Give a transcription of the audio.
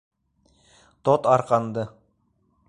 Тот арҡанды!